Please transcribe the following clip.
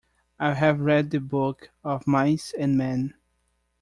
I have the read the book, of mice and men.